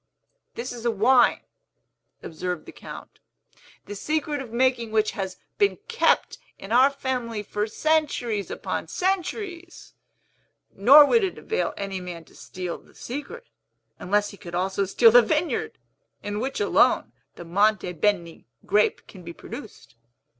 "This is a wine," observed the Count, "the secret of making which has been kept in our family for centuries upon centuries; nor would it avail any man to steal the secret, unless he could also steal the vineyard, in which alone the Monte Beni grape can be produced.